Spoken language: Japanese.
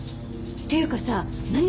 っていうかさ何？